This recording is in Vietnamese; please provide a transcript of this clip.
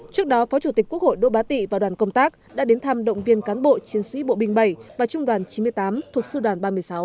trước đó phó chủ tịch quốc hội đỗ bá tị và đoàn công tác đã đến thăm động viên cán bộ chiến sĩ bộ binh bảy và trung đoàn chín mươi tám thuộc sư đoàn ba mươi sáu